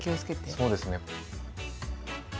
そうですね。